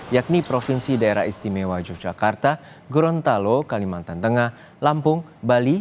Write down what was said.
yakni provinsi daerah istimewa yogyakarta gorontalo kalimantan tengah lampung bali